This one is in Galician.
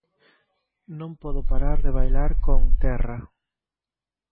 Non podo parar de bailar con 'Terra'!